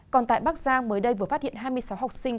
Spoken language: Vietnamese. còn tại bắc giang mới đây vừa phát hiện hai mươi sáu học sinh